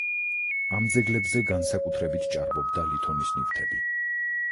ამ ძეგლებზე განსაკუთრებით ჭარბობდა ლითონის ნივთები.